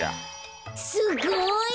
すごい。